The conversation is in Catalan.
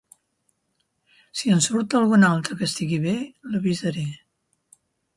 Si en surt algun altre que estigui bé, l'avisaré.